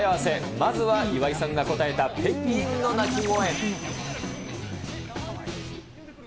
まずは岩井さんが答えたペンギンの鳴き声。